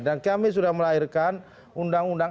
dan kami sudah melahirkan undang undang